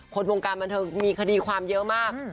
คนวงการบันเทิงมีคดีความเยอะมาก